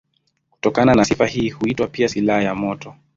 Kutokana na sifa hii huitwa pia silaha ya moto.